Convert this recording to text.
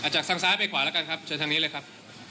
จากทางซ้ายไปขวาแล้วกันครับเชิญทางนี้เลยครับ